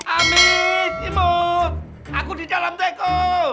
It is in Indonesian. amin si mut aku di jalan teko